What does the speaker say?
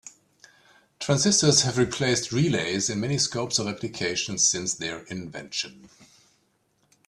Transistors have replaced relays in many scopes of application since their invention.